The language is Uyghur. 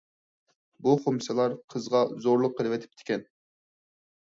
بۇ خۇمسىلار قىزغا زورلۇق قىلىۋېتىپتىكەن.